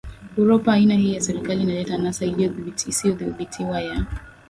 Uropa Aina hii ya serikali inaleta anasa isiyodhibitiwa ya